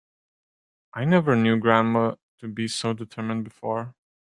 I never knew grandma to be so determined before.